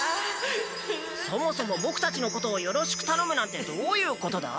そもそもボクたちのことをよろしくたのむなんてどういうことだ？